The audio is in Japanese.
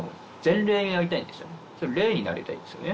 例になりたいんですよね。